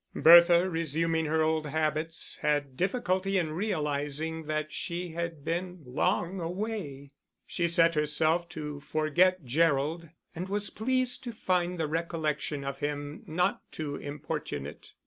Bertha, resuming her old habits, had difficulty in realising that she had been long away. She set herself to forget Gerald, and was pleased to find the recollection of him not too importunate.